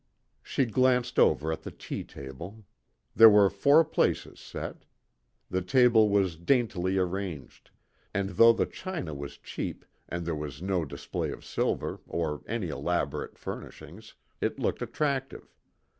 She glanced over the tea table. There were four places set. The table was daintily arranged, and though the china was cheap, and there was no display of silver, or any elaborate furnishings, it looked attractive.